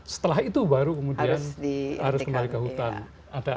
setelah itu baru kemudian harus kembali ke hutan